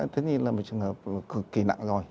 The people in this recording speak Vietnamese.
thế thì là một trường hợp cực kỳ nặng rồi